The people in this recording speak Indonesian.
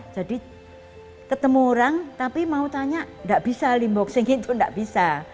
jadi ketemu orang tapi mau tanya gak bisa lim boxing itu gak bisa